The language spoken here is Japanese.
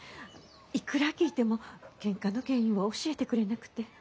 いくら聞いてもケンカの原因は教えてくれなくて。